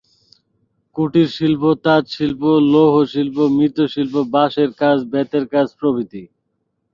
কুটিরশিল্প তাঁতশিল্প, লৌহশিল্প, মৃৎশিল্প, বাঁশের কাজ, বেতের কাজ প্রভৃতি।